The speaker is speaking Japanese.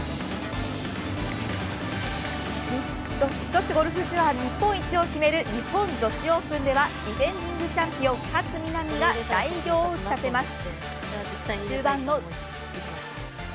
女子ゴルフツアー日本一を決める日本女子オープンではディフェンディングチャンピオン勝みなみが大偉業を打ち立てます。